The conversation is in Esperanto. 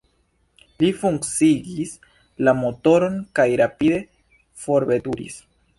Li funkciigis la motoron kaj rapide forveturis.